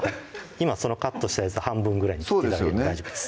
今そのカットしたやつを半分ぐらいに切って頂いて大丈夫です